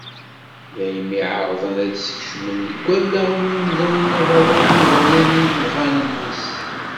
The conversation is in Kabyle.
Daymi i εerrḍen ad skecmen deg wallaɣen n yimdanen abaɣur n ugama d yimɣan-is.